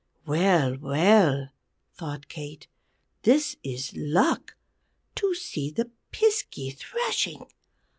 "Well! Well!" thought Kate. "This is luck! To see the Piskey threshing!